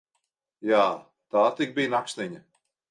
Jā, tā tik bija naksniņa!